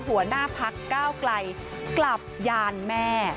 หัวหน้าภักร์เก้ากล่ายกลับยานแม่